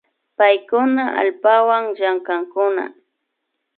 Paykuna allpawan llankankuna